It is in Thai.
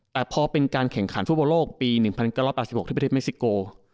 แต่พอเป็นการแข่งขันฟุตบอลโลกปี๑๙๘๖ที่ประเทศเม็กซิโก